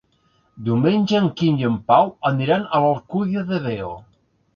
Diumenge en Quim i en Pau aniran a l'Alcúdia de Veo.